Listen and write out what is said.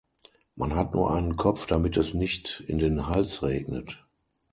Man hat nur einen Kopf damit es nicht in den Hals regnet.